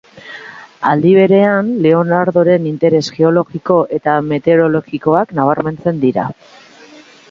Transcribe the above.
Aldi berean, Leonardoren interes geologiko eta meteorologikoak nabarmentzen dira.